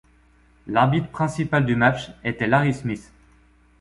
L'arbitre principal du match était Larry Smith.